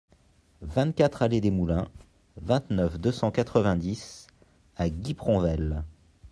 vingt-quatre allée des Moulins, vingt-neuf, deux cent quatre-vingt-dix à Guipronvel